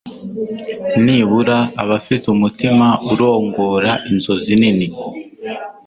nibura abafite umutima urongora inzozi nini